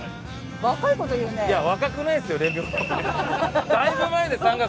いいですね。